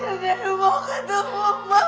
nenek mau ketemu mama